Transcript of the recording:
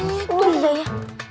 itu dia ya